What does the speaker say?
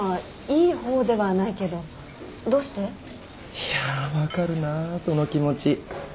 いや分かるなぁその気持ち。